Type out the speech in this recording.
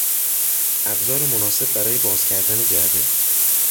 ابزار مناسب برای باز کردن جعبه